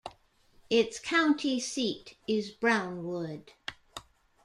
Its county seat is Brownwood.